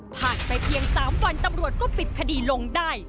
ไปเพียง๓วันตำรวจก็ปิดคดีลงได้